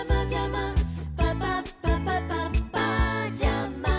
「パパッパパッパッパージャマ」